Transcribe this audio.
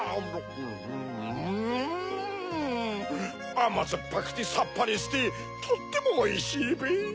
あまずっぱくてさっぱりしてとってもおいしいべ。